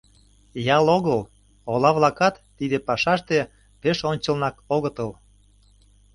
Ял огыл, ола-влакат тиде пашаште пеш ончылнак огытыл.